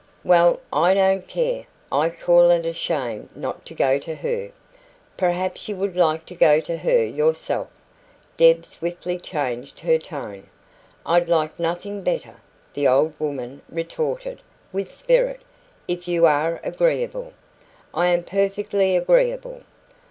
"Well, I don't care I call it a shame not to go to her " "Perhaps you would like to go to her yourself?" Deb swiftly changed her tone. "I'd like nothing better," the old woman retorted, with spirit, "if you are agreeable." "I am perfectly agreeable."